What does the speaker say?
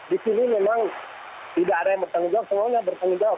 di sini memang tidak ada yang bertanggung jawab